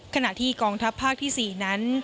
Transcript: ขณะที่กองทัพภาคที่๔นั้น